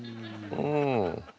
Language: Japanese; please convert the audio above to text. うん。